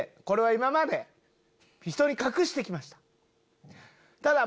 「これは今までひとに隠して来ました。